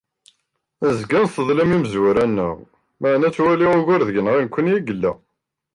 Nezga nseḍlam imezwura-nneɣ, meɛna ttwaliɣ ugur deg-neɣ nekkni i yella.